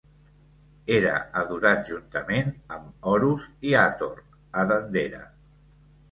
Era adorat juntament amb Horus i Hathor a Dendera.